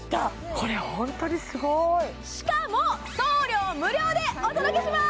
これホントにすごいしかも送料無料でお届けします！